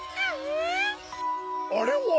あれは！